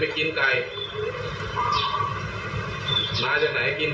ปิดเสียงให้มันปิดเสียง